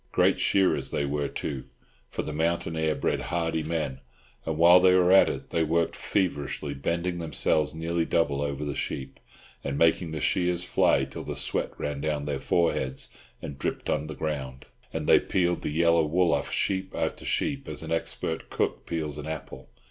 Great shearers they were, too, for the mountain air bred hardy men, and while they were at it they worked feverishly, bending themselves nearly double over the sheep, and making the shears fly till the sweat ran down their foreheads and dripped on the ground; and they peeled the yellow wool off sheep after sheep as an expert cook peels an apple.